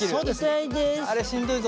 あれしんどいぞ。